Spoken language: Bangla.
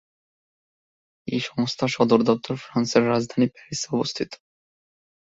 এই সংস্থার সদর দপ্তর ফ্রান্সের রাজধানী প্যারিসে অবস্থিত।